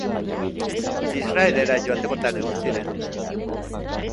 Israelera joatekotan egon ziren.